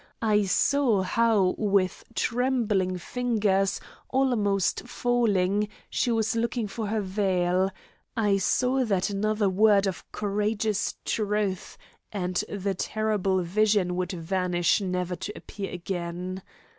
I saw how with trembling fingers, almost falling, she was looking for her veil; I saw that another word of courageous truth, and the terrible vision would vanish never to appear again.